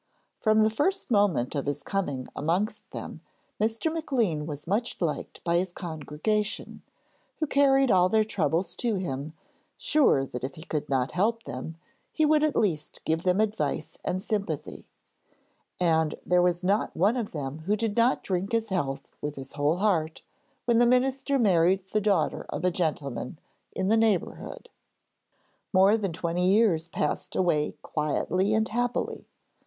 From the first moment of his coming amongst them Mr. Maclean was much liked by his congregation, who carried all their troubles to him, sure that if he could not help them, he would at least give them advice and sympathy, and there was not one of them who did not drink his health with his whole heart when the minister married the daughter of a gentleman in the neighbourhood. More than twenty years passed away quietly and happily.